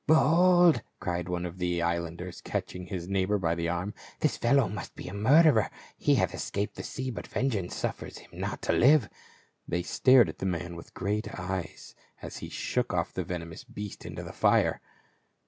" Behold !" cried one of the islanders, catching his neighbor by the arm, " this fellow must be a murderer ; he hath escaped the sea, but vengeance suffers him not to live." They stared at the man with great eyes as he shook off the venomous beast into the fire.